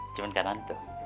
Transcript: cuman kan nantu